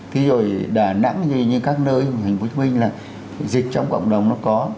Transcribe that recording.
ví dụ như đà nẵng như các nơi hình quốc minh là dịch trong cộng đồng nó có